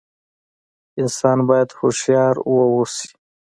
انسان بايد هوښيار ووسي